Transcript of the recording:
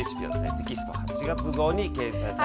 テキスト８月号に掲載されています！